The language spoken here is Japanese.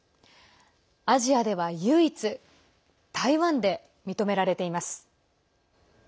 アジアでは唯一台湾で認められています。